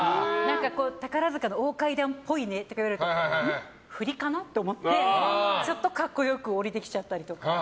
宝塚の大階段っぽいねって言われると振りかなって思って格好よく下りてきちゃったりとか。